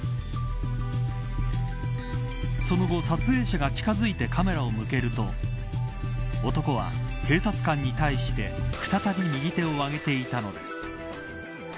その後、撮影者が近づいてカメラを向けると男は警察官に対して再び右手をあげていたのです。